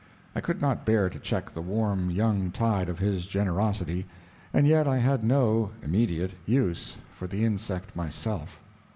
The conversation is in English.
I could not bear to check the warm young tide of his generosity, and yet I had no (immediate) use for the insect myself.